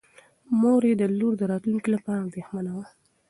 مور یې د لور د راتلونکي لپاره اندېښمنه وه.